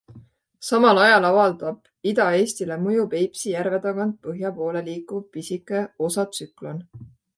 Samal ajal avaldab Ida-Eestile mõju Peipsi järve tagant põhja poole liikuv pisike osatsüklon.